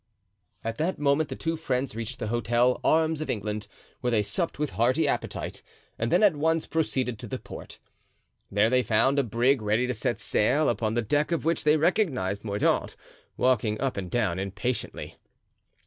At that moment the two friends reached the hotel, "Arms of England," where they supped with hearty appetite and then at once proceeded to the port. There they found a brig ready to set sail, upon the deck of which they recognized Mordaunt walking up and down impatiently.